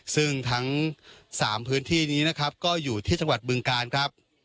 ซึ่งทั้ง๓พื้นที่นี้นะครับก็อยู่ที่จังหวัดบึงกาลครับ